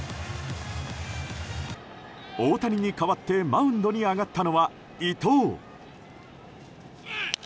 大谷に代わってマウンドに上がったのは伊藤。